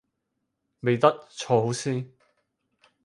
未得，坐好先